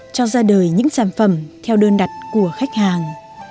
cho ra đời những sản phẩm theo đơn đặt của khách hàng